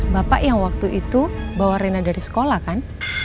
bapak yang waktu itu bawa rena dari sekolah kan